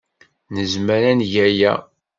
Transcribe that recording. Nezmer ad neg aya?